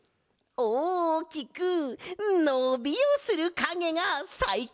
おおきくのびをするかげがさいこうとか？